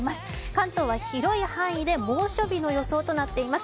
関東は広い範囲で猛暑日の予想となっています。